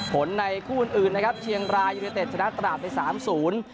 ผลในคู่นอื่นนะครับเชียงรายุโรยเตศชนะตราบไปสามศูนย์